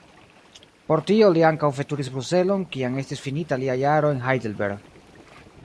Por tio li ankaŭ veturis Bruselon, kiam estis finita lia jaro en Heidelberg.